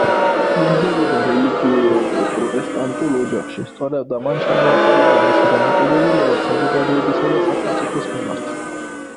იზრდებოდა რელიგიურად პროტესტანტულ ოჯახში, სწორედ ამან ჩამოაყალიბა მისი დამოკიდებულება საზოგადოებისა და სახელმწიფოს მიმართ.